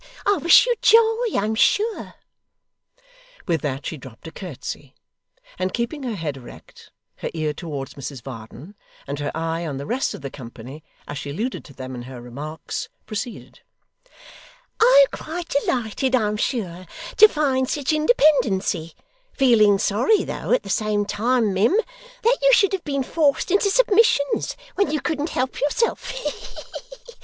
I wish you joy, I'm sure!' With that she dropped a curtsey, and keeping her head erect, her ear towards Mrs Varden, and her eye on the rest of the company, as she alluded to them in her remarks, proceeded: 'I'm quite delighted, I'm sure, to find sich independency, feeling sorry though, at the same time, mim, that you should have been forced into submissions when you couldn't help yourself he he he!